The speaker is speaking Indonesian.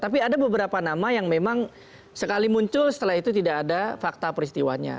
tapi ada beberapa nama yang memang sekali muncul setelah itu tidak ada fakta peristiwanya